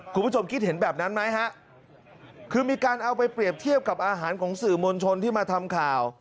คุณผู้ชมคิดเห็นแบบนั้นไหมฮะคือมีการเอาไปเปรียบเทียบกับอาหารของสื่อมวลชนที่มาทำข่าว